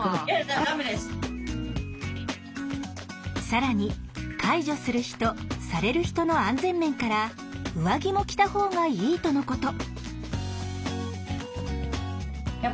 更に介助する人される人の安全面から上着も着たほうがいいとのこと。